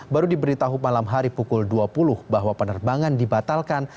baru diberitahu malam hari pukul dua puluh bahwa penerbangan dibatalkan